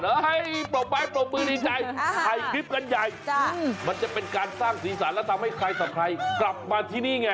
เฮ้ยโปรดไหมโปรดมือดีใจให้คลิปกันใหญ่มันจะเป็นการสร้างศรีสรรค์แล้วทำให้ใครสักใครกลับมาที่นี่ไง